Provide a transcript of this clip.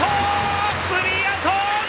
スリーアウト！